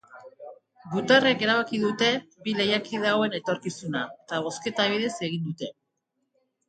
Gutarrek erabaki dute bi lehiakide hauen etorkizuna, eta bozketa bidez egin dute.